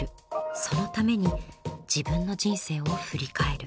そのために自分の人生を振り返る。